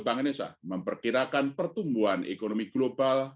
bank indonesia memperkirakan pertumbuhan ekonomi global